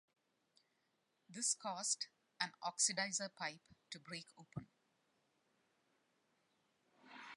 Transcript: This caused an oxidizer pipe to break open.